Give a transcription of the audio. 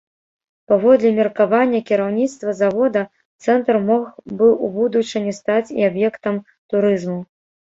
Паводле меркавання кіраўніцтва завода, цэнтр мог бы ў будучыні стаць і аб'ектам турызму.